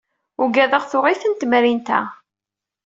Ugaɣ tuɣ-itent temrint-a.